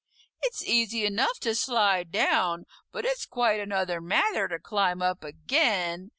It's easy enough to slide down, but it's quite another matter to climb up again!"